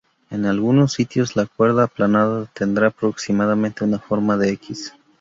En algunos sitios, la cuerda aplanada tendrá aproximadamente una forma de "X".